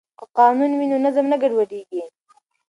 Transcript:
که قانون وي نو نظم نه ګډوډیږي.